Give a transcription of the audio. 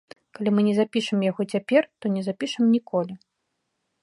Калі мы не запішам яго цяпер, то не запішам ніколі.